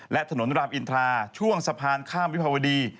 และถนนรามอินทราช่วงสะพานข้ามวิภาวดี